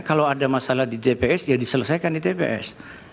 kalau ada masalah di tps ya diselesaikan di tps